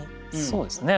そうですね